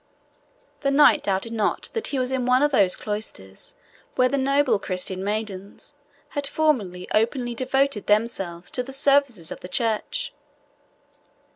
The knight doubted not that he was in one of those cloisters where the noble Christian maidens had formerly openly devoted themselves to the services of the church.